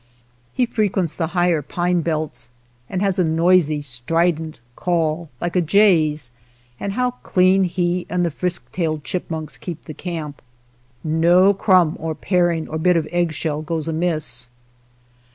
He frequents the higher pine belts, and has a noisy strident call like a jay's, and how clean he and the frisk tailed chipmunks keep the camp! No crumb or paring or bit of eggshell goes amiss.